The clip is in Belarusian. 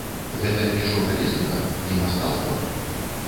Гэта не журналістыка, не мастацтва?